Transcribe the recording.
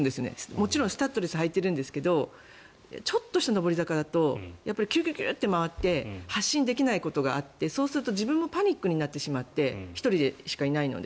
もちろんスタッドレスを履いているんですがちょっとした上り坂だときゅきゅって回って走れないことがあってそうすると自分もパニックになって１人しかいないので。